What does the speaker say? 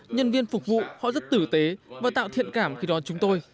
nhân viên phục vụ họ rất tử tế và tạo thiện cảm khi đón chúng tôi